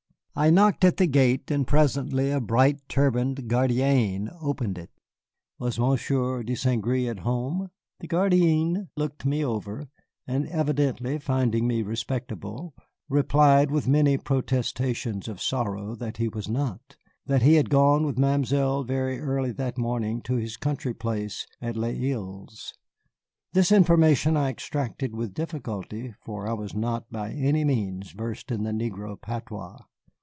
I knocked at the gate, and presently a bright turbaned gardienne opened it. Was Monsieur de Saint Gré at home. The gardienne looked me over, and evidently finding me respectable, replied with many protestations of sorrow that he was not, that he had gone with Mamselle very early that morning to his country place at Les Îles. This information I extracted with difficulty, for I was not by any means versed in the negro patois.